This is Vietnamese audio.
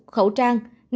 bốn khẩu trang